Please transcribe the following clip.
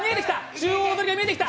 中央通りが見えてきた。